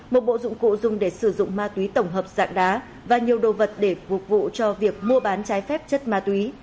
một bộ dụng cụ dùng để sử dụng ma túy tổng hợp dạng đá và nhiều đồ vật để phục vụ cho việc mua bán trái phép chất ma túy